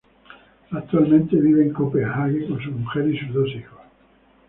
Actualmente vive en Copenhague con su mujer y sus dos hijos.